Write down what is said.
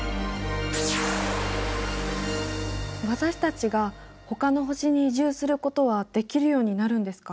私たちがほかの星に移住することはできるようになるんですか？